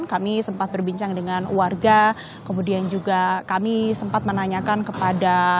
kami sempat berbincang dengan warga kemudian juga kami sempat menanyakan kepada petinggi yang memang bertugas